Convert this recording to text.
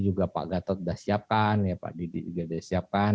juga pak gatot sudah siapkan ya pak didi juga sudah siapkan